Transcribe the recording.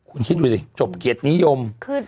อืม